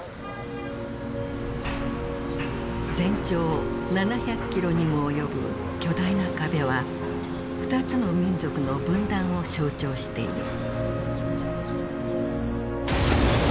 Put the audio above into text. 全長７００キロにも及ぶ巨大な壁は２つの民族の分断を象徴している。